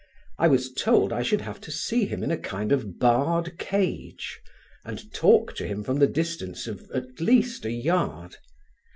I was told I should have to see him in a kind of barred cage; and talk to him from the distance of at least a yard.